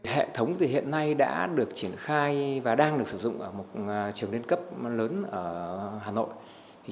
hệ thống thì hiện nay đã được triển khai và đang được sử dụng ở một trường lên cấp lớn ở hà nội